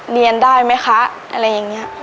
เรียนได้มั้ยคะอะไรอย่างเงี้ย